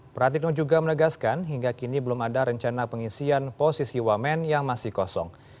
pratikno juga menegaskan hingga kini belum ada rencana pengisian posisi wamen yang masih kosong